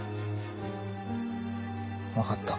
分かった。